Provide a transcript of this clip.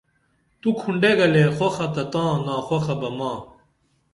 تو کُھنڈے گلے خوخہ تہ تاں ناخوخہ بہ ماں